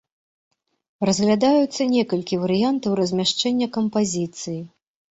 Разглядаюцца некалькі варыянтаў размяшчэння кампазіцыі.